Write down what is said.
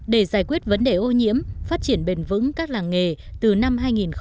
để giải quyết vấn đề ô nhiễm phát triển bền vững các làng nghề từ năm hai nghìn một mươi